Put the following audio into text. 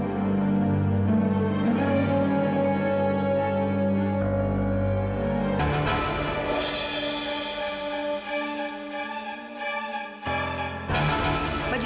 ini dia bajunya